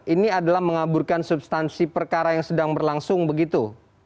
ini adalah mengaburkan substansi perkara yang sedang berlangsung begitu